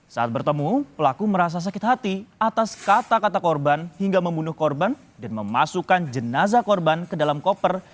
saat bertemu pelaku merasa sakit hati atas kata kata korban hingga membunuh korban dan memasukkan jenazah korban ke dalam koper